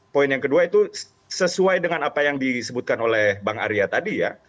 poin yang kedua itu sesuai dengan apa yang disebutkan oleh bang arya tadi ya